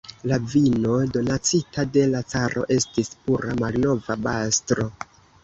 La vino, donacita de la caro, estis pura malnova bastro.